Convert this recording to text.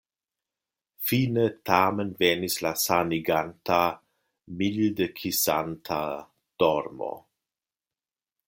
Fine tamen venis la saniganta, mildekisanta dormo.